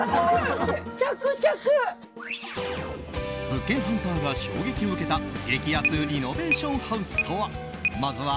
物件ハンターが衝撃を受けた激安リノベーションハウスとは。